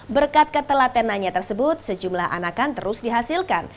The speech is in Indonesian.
berkat ketelatenanya tersebut sejumlah anakan terus dihasilkan